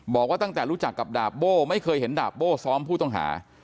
บอกว่าตั้งแต่รู้จักกับดาบโบ้ไม่เคยเห็นดาบโบ้ซ้อมผู้ต้องหา